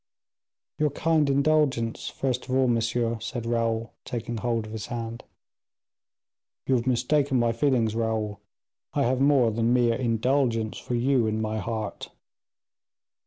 "Your kind indulgence, first of all, monsieur," said Raoul, taking hold of his hand. "You have mistaken my feelings, Raoul, I have more than mere indulgence for you in my heart."